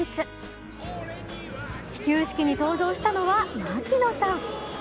始球式に登場したのは槙野さん。